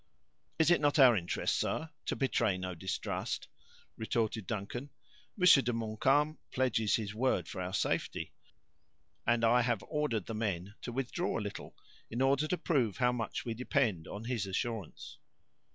"Is it not our interest, sir, to betray no distrust?" retorted Duncan. "Monsieur de Montcalm pledges his word for our safety, and I have ordered the men to withdraw a little, in order to prove how much we depend on his assurance."